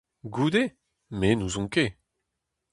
Goude ? Me n'ouzon ket.